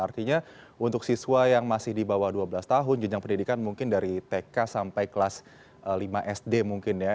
artinya untuk siswa yang masih di bawah dua belas tahun jenjang pendidikan mungkin dari tk sampai kelas lima sd mungkin ya